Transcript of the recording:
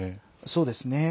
そうですね。